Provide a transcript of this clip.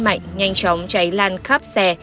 mạnh nhanh chóng cháy lan khắp xe